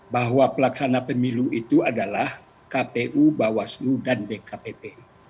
bahwa pelaksana pemilu itu adalah kpu bawaslu dan dkpp